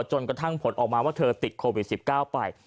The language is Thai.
จนกระทั่งผลออกมาว่าเธอติดโควิด๑๙ไป